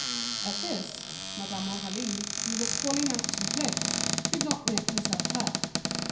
At this, Madame Aurélie, who was engaged in calling out some cloaks, could not make herself heard.